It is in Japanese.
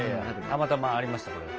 たまたまありましたこれ。